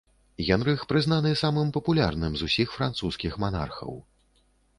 Генрых прызнаны самым папулярным з усіх французскіх манархаў.